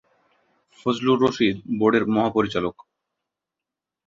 ফজলুর রশিদ বোর্ডের মহাপরিচালক।